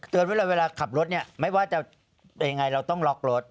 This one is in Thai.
เตือนว่าเวลาขับรถไม่ว่าจะอีกไงเราต้องล็อกรถ